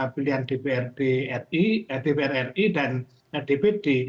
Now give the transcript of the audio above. pilihan dpr ri dan dpd